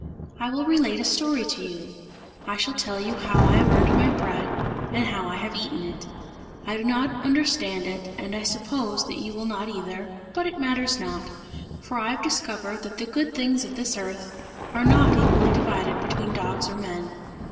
I will relate a story to you; I shall tell you how I have earned my bread, and how I have eaten it. I do not understand it and I suppose that you will not either, but it matters not, for I have discovered that the good things of this earth are not equally divided between dogs or men.